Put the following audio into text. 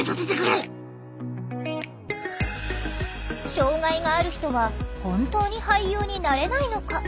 障害がある人は本当に俳優になれないのか？